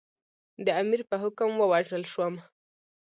د امیر په حکم ووژل شوم.